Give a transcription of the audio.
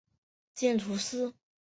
见图四。